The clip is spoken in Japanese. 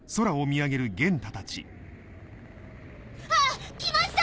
あっ来ました！